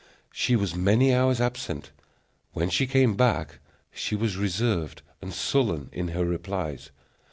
She was many hours absent. When she came back, she was reserved and sullen in her replies.